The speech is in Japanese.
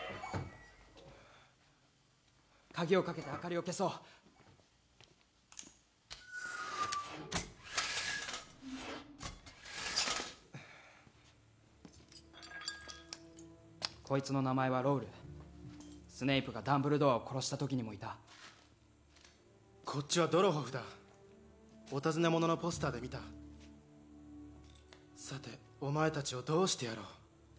鍵を掛けて灯りを消そうこいつの名前はロウルスネイプがダンブルドアを殺した時にもいたこっちはドロホフだお尋ね者のポスターで見たさてお前達をどうしてやろう？